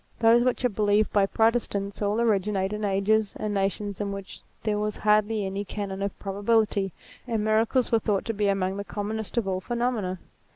Those which are believed by Protestants all originate in ages and nations in which there was hardly any canon of probability, and miracles were thought to be among the commonest of all phenomena.